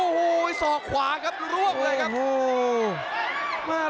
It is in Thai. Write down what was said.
โอ้โหส่อขวาครับร่วงเลยครับ